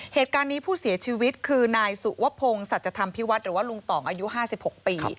เหตุการณ์นี้ผู้เสียชีวิตคือนายสุวพงศ์สัจธรรมพิวัฒน์หรือว่าลุงต่องอายุ๕๖ปี